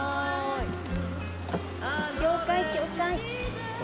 教会教会！